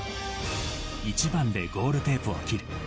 １番でゴールテープを切る。